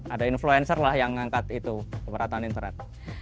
ada influencer lah yang mengangkat itu keberatan internet